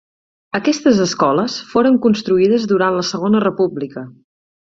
Aquestes escoles foren construïdes durant la segona República.